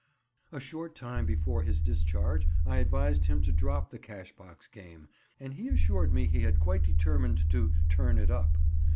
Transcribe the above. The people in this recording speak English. A short time before his discharge I advised him to drop the cash box game, and he assured me he had quite determined to "turn it up."